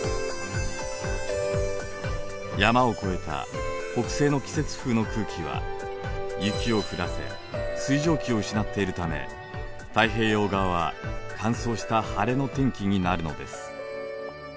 山を越えた北西の季節風の空気は雪を降らせ水蒸気を失っているため太平洋側は乾燥した晴れの天気になるのです。